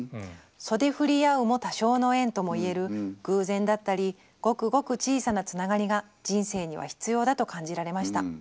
「袖振り合うも多生の縁ともいえる偶然だったりごくごく小さなつながりが人生には必要だと感じられました。